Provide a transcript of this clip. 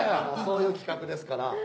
そういう企画ですから。